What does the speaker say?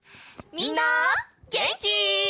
みんなげんき？